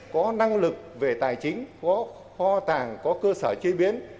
có năng lực về tài chính có kho tàng có cơ sở chế biến